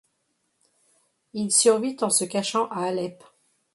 Il survit en se cachant à Alep.